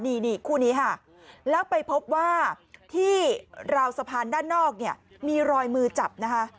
นี่คู่นี้ค่ะแล้วไปพบว่าที่ราวสะพานด้านนอกเนี่ยมีรอยมือจับนะคะ